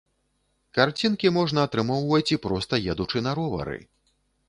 Карцінкі можна атрымоўваць і проста едучы на ровары.